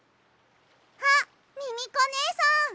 あっミミコねえさん！